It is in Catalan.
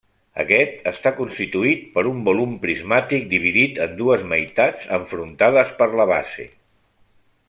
Aquest està constituït per un volum prismàtic dividit en dues meitats enfrontades per la base.